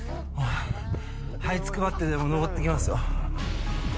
はいつくばってでも登っていきますよ。